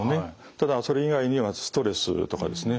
ただそれ以外にはストレスとかですね